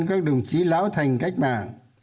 các đồng chí lão thành cách mạng